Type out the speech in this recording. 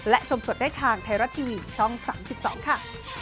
และชมสดได้ทางไทยรัฐทีวีช่อง๓๒ค่ะ